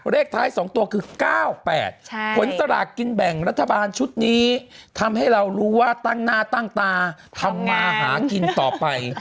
เลขท้าย๒ตัวคือ๙๘ผลสลากกินแบ่งรัฐบาลชุดนี้ทำให้เรารู้ว่าตั้งหน้าตั้งตาทำมาหากินต่อไป